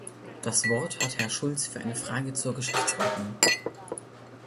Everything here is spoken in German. Das Wort hat Herr Schulz für eine Frage zur Geschäftsordnung.